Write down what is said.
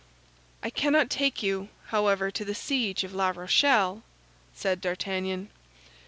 "I cannot take you, however, to the siege of La Rochelle," said D'Artagnan.